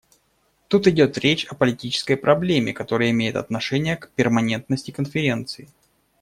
Тут идет речь о политической проблеме, которая имеет отношение к перманентности Конференции.